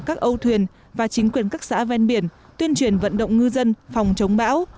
các âu thuyền và chính quyền các xã ven biển tuyên truyền vận động ngư dân phòng chống bão